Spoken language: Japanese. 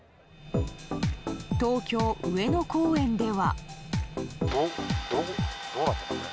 東京・上野公園では。